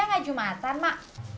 emang dia gak jumatan mak